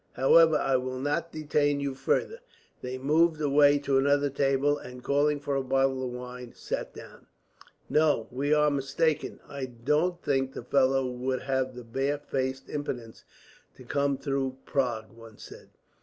However, I will not detain you farther." They moved away to another table and, calling for a bottle of wine, sat down. "No, we are mistaken. I don't think the fellow would have the bare faced impudence to come through Prague," one said.